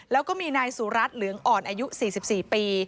แล้วก็มีนายสุรัตน์เหลืองอ่อนอายุ๔๔ปี